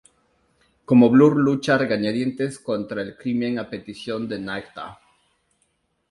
Como Blur, lucha a regañadientes contra el crimen a petición de Nighthawk.